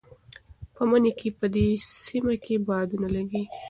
په مني کې په دې سیمه کې بادونه لګېږي.